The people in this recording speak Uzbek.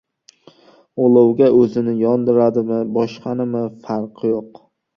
• Olovga o‘zini yondiradimi, boshqanimi, farqi yo‘q.